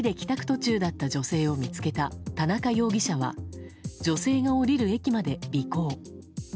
途中だった女性を見つけた田中容疑者は女性が降りる駅まで尾行。